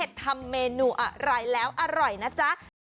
ทำเมนูอะไรแล้วอร่อยนะจ๊ะ